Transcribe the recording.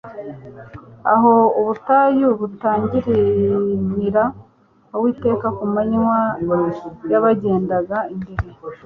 aho ubutayu butanginira. uwiteka ku manywa yabagendaga imbere